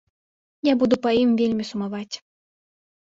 Я буду па ім вельмі сумаваць.